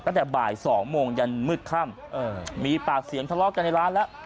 ตั้งแต่บ่าย๒โมงยันมืดค่ำมีปากเสียงทะเลาะกันในร้านแล้ว